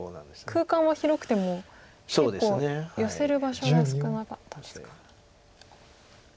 空間は広くても結構ヨセる場所が少なかったですか。